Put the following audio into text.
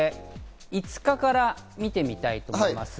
５日から見てみたいと思います。